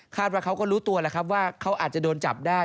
ว่าเขาก็รู้ตัวแล้วครับว่าเขาอาจจะโดนจับได้